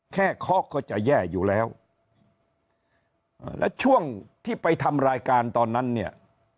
เคาะก็จะแย่อยู่แล้วแล้วช่วงที่ไปทำรายการตอนนั้นเนี่ย